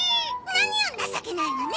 何よ情けないわね！